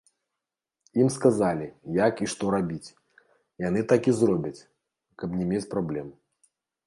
Ім сказалі, як і што зрабіць, яны так і зробяць, каб не мець праблем.